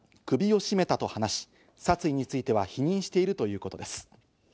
首を絞めたと話し、殺意については否認しているということです。